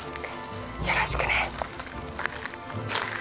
よろしくね。